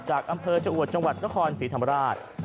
จากอำเภอชะอวดจังหวัดนครศรีธรรมราช